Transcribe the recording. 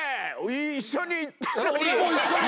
一緒に行ったのに！